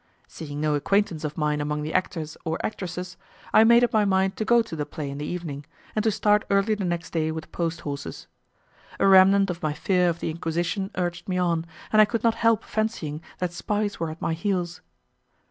Seeing no acquaintance of mine among the actors or actresses, I made up my mind to go to the play in the evening, and to start early the next day with post horses. A remnant of my fear of the Inquisition urged me on, and I could not help fancying that spies were at my heels.